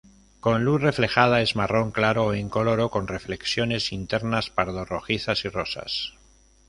Con luz reflejada es marrón claro o incoloro, con reflexiones internas pardo-rojizas y rosas.